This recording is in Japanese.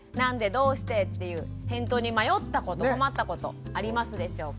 どうして？っていう返答に迷ったこと困ったことありますでしょうか？